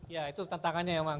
ya itu tantangannya emang